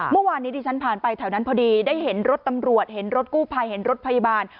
เมื่อวานนี้ที่ฉันผ่านไปแถวนั้นพอดีได้เห็นรถตำรวจเห็นรถกู้ภัยเห็นรถพยาบาล